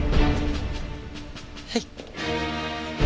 はい。